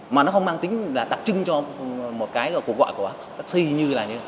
mà nó không mang tính là đặc trưng cho một cái gọi của taxi như là như